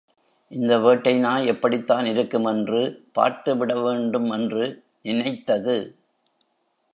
இந்த வேட்டை நாய் எப்படித்தான் இருக்கும் என்று பார்த்துவிடவேண்டும் என்று நினைத்தது.